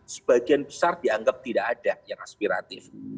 sebagian besar dianggap tidak ada yang aspiratif